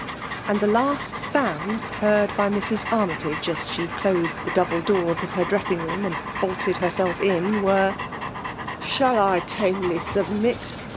And the last sounds heard by Mrs. Armytage as she closed the double doors of her dressing room and bolted herself in, were —" Shall I tamely sub mit.